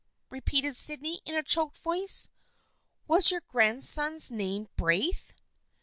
repeated Sydney in a choked voice. " Was your grandson's name Braith